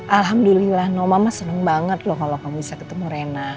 alhamdulillah noh mbak seneng banget loh kalau kamu bisa ketemu rena